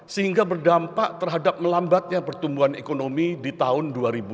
sehingga berdampak terhadap melambatnya pertumbuhan ekonomi di tahun dua ribu dua puluh